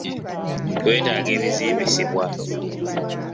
Twetaaga ebizimbisibwa.